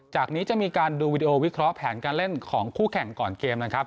จากนี้จะมีการดูวิดีโอวิเคราะห์แผนการเล่นของคู่แข่งก่อนเกมนะครับ